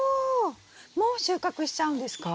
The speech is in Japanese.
もう収穫しちゃうんですか？